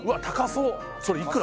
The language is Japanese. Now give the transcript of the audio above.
それいくら？